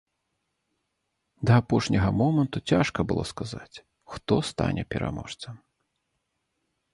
Да апошняга моманту цяжка было сказаць, хто стане пераможцам.